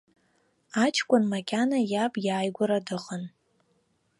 Аҷкәын макьана иаб иааигәара дыҟан.